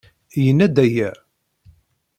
Yenna-d aya.